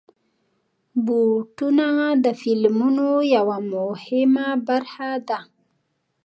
بوټونه د فلمونو یوه مهمه برخه ده.